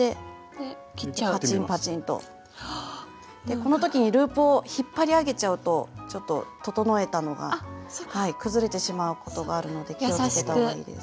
この時にループを引っ張り上げちゃうとちょっと整えたのが崩れてしまうことがあるので気をつけたほうがいいです。